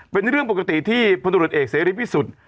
เป็นเรื่องปกติที่พลตรวจเอกเสรีพิสุทธิ์